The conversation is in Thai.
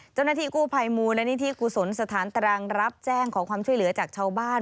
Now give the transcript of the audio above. เจ้าหน้าที่กู้ภัยมูลนิธิกุศลสถานตรังรับแจ้งขอความช่วยเหลือจากชาวบ้าน